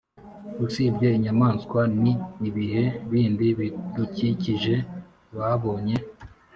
usibye inyamaswa ni ibihe bindi bidukikije babonye?